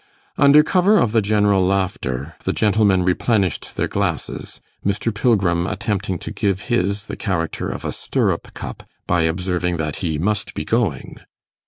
Under cover of the general laughter the gentlemen replenished their glasses, Mr. Pilgrim attempting to give his the character of a stirrup cup by observing that he 'must be going'.